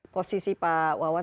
posisi pak wawan